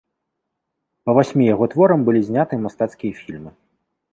Па васьмі яго творам былі зняты мастацкія фільмы.